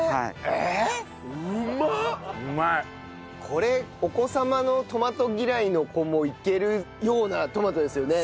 これお子様のトマト嫌いの子もいけるようなトマトですよね。